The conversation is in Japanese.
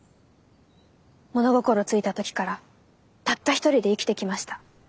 物心ついた時からたった一人で生きてきました。